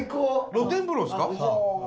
露天風呂ですか？